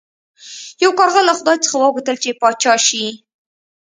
یو کارغه له خدای څخه وغوښتل چې پاچا شي.